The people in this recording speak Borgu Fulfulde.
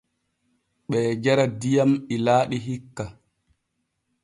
Ɓee jara diyam ilaaɗi hikka.